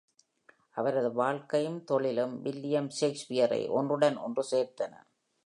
அவரது வாழ்க்கையும் தொழிலும் வில்லியம் ஷேக்ஸ்பியரை ஒன்றுடன் ஒன்று சேர்த்தன.